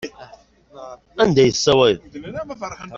Anda ay tessewwayeḍ?